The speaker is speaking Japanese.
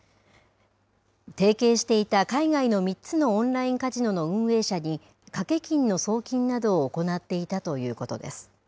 提携していた海外の３つのオンラインカジノの運営者に、賭け金の送金などを行っていたということです。